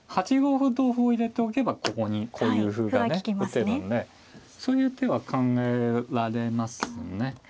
８五歩同歩を入れておけばここにこういう歩がね打てるんでそういう手は考えられますね。